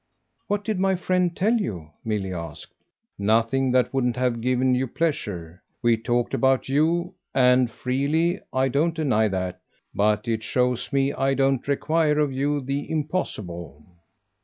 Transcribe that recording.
"What did my friend tell you?" Milly asked. "Nothing that wouldn't have given you pleasure. We talked about you and freely. I don't deny that. But it shows me I don't require of you the impossible."